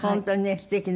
すてきな。